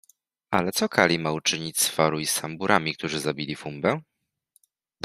Ale co Kali ma uczynić z Faru i z Samburami, którzy zabili Fumbę?